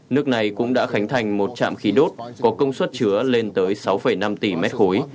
nước này cũng đã khánh thành một trạm khí đốt có công suất chứa lên tới sáu năm tỷ mét khối